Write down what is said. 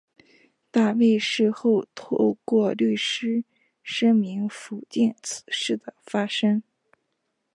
大卫事后透过律师声明否定此事的发生。